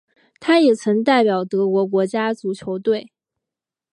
他也曾代表德国国家足球队。